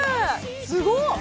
すごっ！